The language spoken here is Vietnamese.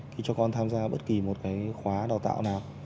khi cho con tham gia bất kỳ một cái khóa đào tạo nào